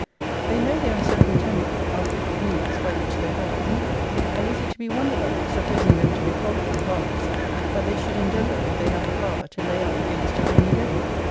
They know the uncertain tenure (our fickle humours) by which they hold: And is it to be wondered at, supposing them to be provident harlots, that they should endeavour, if they have the power, to lay up against a rainy day?